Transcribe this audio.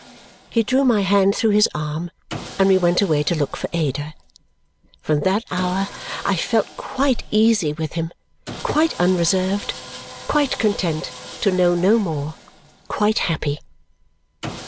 He drew my hand through his arm and we went away to look for Ada. From that hour I felt quite easy with him, quite unreserved, quite content to know no more, quite happy.